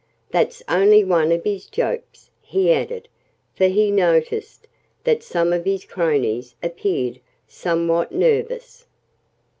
That's only one of his jokes," he added, for he noticed that some of his cronies appeared somewhat nervous.